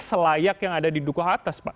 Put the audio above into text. selayak yang ada di dukuh atas pak